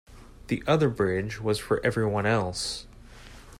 The other bridge was for everyone else.